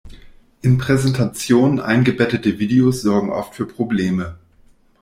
In Präsentationen eingebettete Videos sorgen oft für Probleme.